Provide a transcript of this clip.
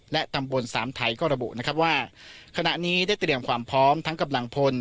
และตำบลสามไทยก็ระบุนะครับว่าขณะนี้ได้เตรียมความพร้อมทั้งกำลังพล